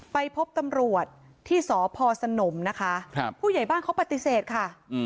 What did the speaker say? ไปพบตำรวจที่สพสนมนะคะผู้ใหญ่บ้านเขาปฏิเสธค่ะ